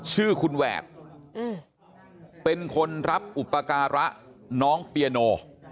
ชื่อคุณแหวดเป็นคนรับอุปการะน้องเปียโน